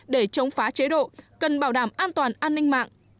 để chống phá chế độ cần bảo đảm an toàn an ninh mạng